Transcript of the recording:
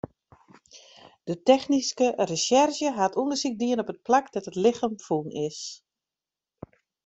De technyske resjerzje hat ûndersyk dien op it plak dêr't it lichem fûn is.